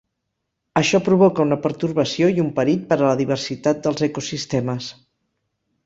Això provoca una pertorbació i un perill per a la diversitat dels ecosistemes.